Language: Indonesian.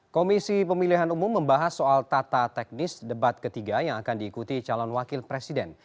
komisi pemilihan umum membahas soal tata teknis debat ketiga yang akan diikuti calon wakil presiden